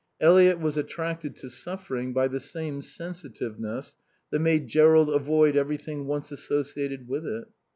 Eliot was attracted to suffering by the same sensitiveness that made Jerrold avoid everything once associated with it.